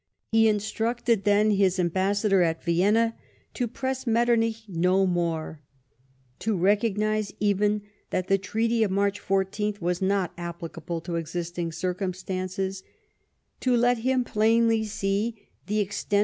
lie instructed, then, his ambassador at Vienna to press Metternich no more ; to recognise, even, that the treaty of March 14th was not ap})licable to existing circumstances ; to let him plainly see the extent 102 LIFE OF PlilNCE METTEBNICH.